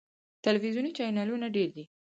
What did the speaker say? ټلویزیوني چینلونه ډیر دي.